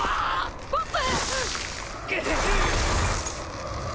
ポップ！